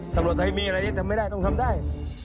ถ้ามีอะไรที่ทำไม่ได้ต้องทำได้